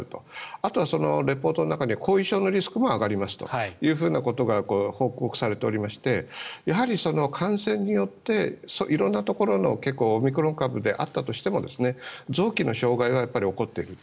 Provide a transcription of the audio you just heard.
あとはリポートの中に後遺症のリスクも上がりますということが報告されていまして感染によって色んなところのオミクロン株であったとしても臓器の障害が起こってくると。